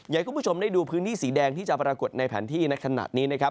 ให้คุณผู้ชมได้ดูพื้นที่สีแดงที่จะปรากฏในแผนที่ในขณะนี้นะครับ